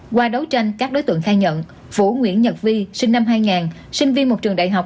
qua đấu tranh các đối tượng khai nhận phủ nguyễn nhật vi sinh năm hai sinh viên một trường đại học